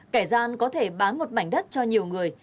kẻ gian có thể bán một mảnh đất cho nhiều người